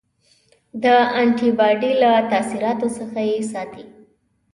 د انټي باډي له تاثیراتو څخه یې ساتي.